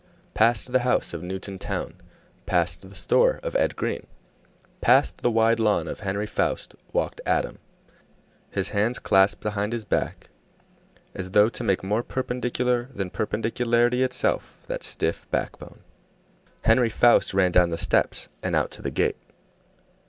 Past the house of Newton Towne, past the store of Ed Green, past the wide lawn of Henry Foust, walked Adam, his hands clasped behind his back, as though to make more perpendicular than perpendicularity itself that stiff backbone. Henry Foust ran down the steps and out to the gate.